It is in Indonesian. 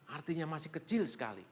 artinya masih kecil sekali